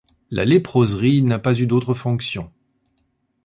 La léproserie n'a pas eu d'autre fonction.